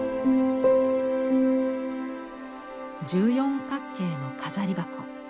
十四角形の飾筥。